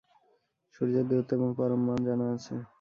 সূর্যের দূরত্ব এবং পরম মান জানা আছে।